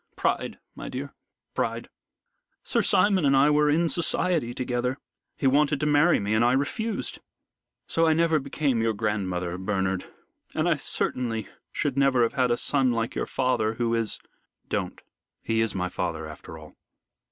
Pride, my dear pride. Sir Simon and I were in society together. He wanted to marry me, and I refused. So I never became your grandmother, Bernard, and I certainly should never have had a son like your father, who is " "Don't. He is my father after all."